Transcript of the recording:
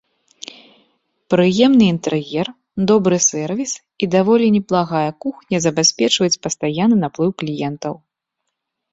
Прыемны інтэр'ер, добры сэрвіс і даволі неблагая кухня забяспечваюць пастаянны наплыў кліентаў.